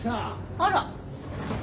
あら？